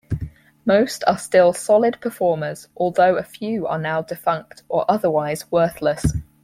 Most are still solid performers, although a few are now defunct or otherwise worthless.